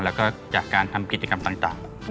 แล้วก็จากการทำกิจกรรมต่าง